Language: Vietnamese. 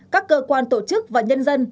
các cơ quan tổ chức và nhân dân